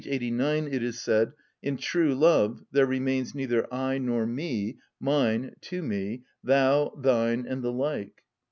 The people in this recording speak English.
89 it is said: "In true love there remains neither I nor me, mine, to me, thou, thine, and the like."